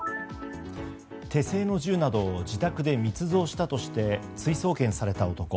手製の銃などを自宅で密造したとして追送検された男。